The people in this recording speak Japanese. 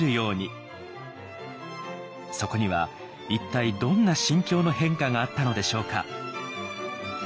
そこには一体どんな心境の変化があったのでしょうか。